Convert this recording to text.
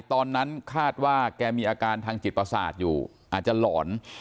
ตอนนั้นคาดว่าแกมีอาการทางจิตประสาทอยู่อาจจะหลอน